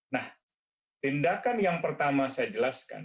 nah tindakan yang pertama saya jelaskan